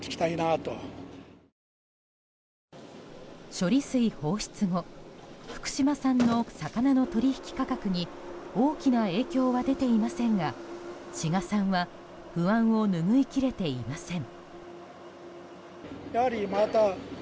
処理水放出後福島産の魚の取引価格に大きな影響は出ていませんが志賀さんは不安を拭い切れていません。